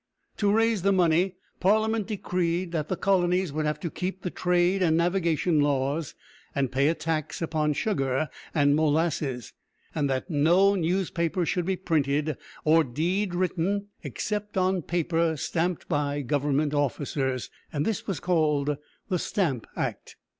To raise the money, Parliament decreed that the colonies would have to keep the trade and navigation laws, and pay a tax upon sugar and molasses, and that no newspaper should be printed or deed written except on paper stamped by government officers. This was called the "Stamp Act."